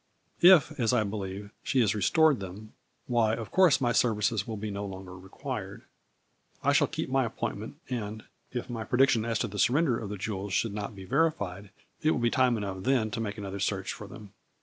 If, as I believe, she has restored them, why, of course, my services will be no longer required. I shall keep my appointment and, if my predic tion as to the surrrender of the jewels shouldnot be verified, it will be time enough then to make another search for them.